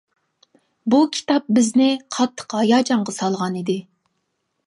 بۇ كىتاب بىزنى قاتتىق ھاياجانغا سالغانىدى.